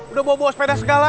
udah bawa bawa sepeda segala